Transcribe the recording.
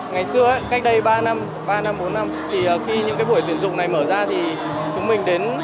ngày xưa cách đây ba năm ba năm bốn năm thì khi những buổi tuyển dụng này mở ra thì chúng mình đến